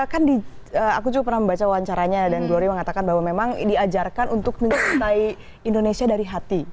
kan aku juga pernah membaca wawancaranya dan glory mengatakan bahwa memang diajarkan untuk mencintai indonesia dari hati